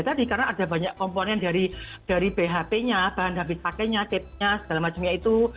tadi karena ada banyak komponen dari bhp nya bahan habis pakainya tipsnya segala macamnya itu